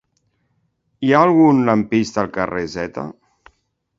Hi ha algun lampista al carrer Z?